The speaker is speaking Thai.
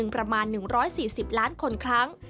ประมาณ๑๔๐ล้านคนครั้ง